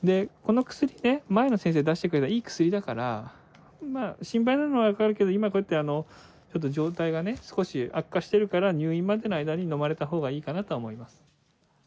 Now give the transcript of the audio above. この薬ね、前の先生出してくれたいい薬だから、心配なのは分かるけど、今、こうやって状態がね、少し悪化してるから、入院までの間に飲まれたほうがいいかなとは思います。